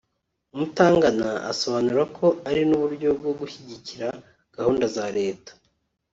Mutangana asobanura ko ari n’uburyo bwo gushyigikira gahunda za leta